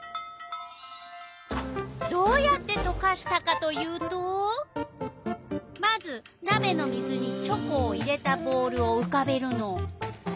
どうやってとかしたかというとまずなべの水にチョコを入れたボウルをうかべるの。